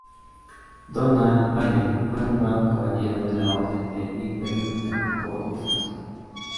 Donald Bailey fue nombrado Caballero de la Orden del Imperio Británico por esta aportación.